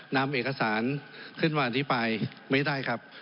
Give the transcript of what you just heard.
ท่านประธานครับ